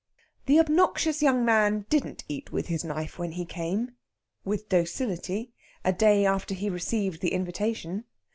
The obnoxious young man didn't eat with his knife when he came, with docility, a day after he received the invitation.